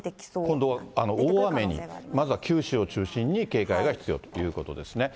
今度は大雨に、まずは九州を中心に警戒が必要ということですね。